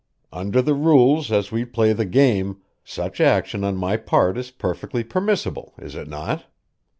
Under the rules as we play the game, such action on my part is perfectly permissible, is it not?"